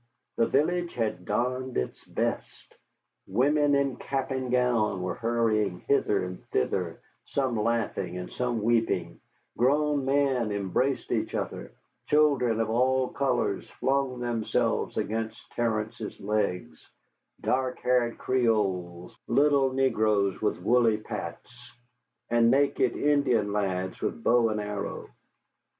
The village had donned its best: women in cap and gown were hurrying hither and thither, some laughing and some weeping; grown men embraced each other; children of all colors flung themselves against Terence's legs, dark haired Creoles, little negroes with woolly pates, and naked Indian lads with bow and arrow.